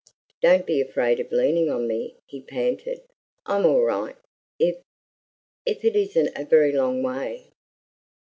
"Don't be afraid of leaning on me," he panted. "I'm all right if if it isn't a very long way."